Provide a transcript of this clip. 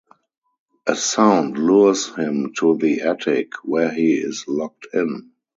A sound lures him to the attic, where he is locked in.